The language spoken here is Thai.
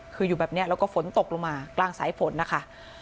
คืออยู่แบบนี้แล้วก็ฝนตกลงมากลางสายฝนนะคะ